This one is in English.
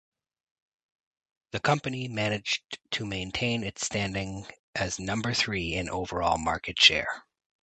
The company managed to maintain its standing as number three in overall market share.